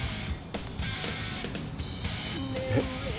えっ？